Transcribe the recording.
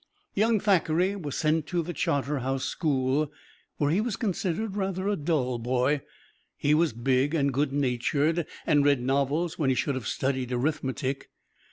Young Thackeray was sent to the Charterhouse School, where he was considered rather a dull boy. He was big and good natured, and read novels when he should have studied arithmetic.